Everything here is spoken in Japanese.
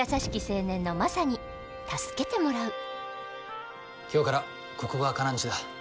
青年のマサに助けてもらう今日からここがカナんちだ。